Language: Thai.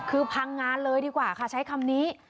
คือพังงานเลยดีกว่าค่ะใช้คำนี้